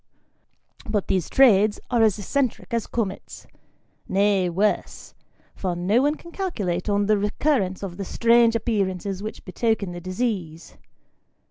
But these trades are as eccentric as comets ; nay, worse, for no one can calculate on the recurrence of the strange appearances which betoken the disease.